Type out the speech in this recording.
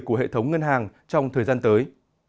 của hệ thống ngân hàng trong thời gian tới